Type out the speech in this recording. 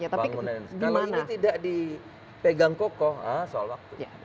kalau ini tidak dipegang kokoh soal waktu